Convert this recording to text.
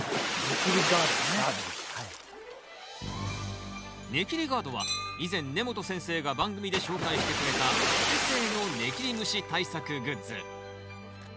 ネキリガードは以前根本先生が番組で紹介してくれたお手製のネキリムシ対策グッズ。